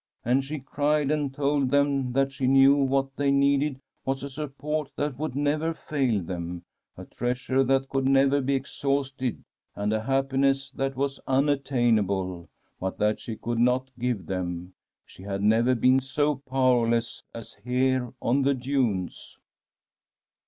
And she cried and told them that she knew that what they needed was a support that would never fail them, a treasure that could never be exhausted, and a happiness that was un attainable, but that she could not give them. She had never been so powerless as here on the dunes.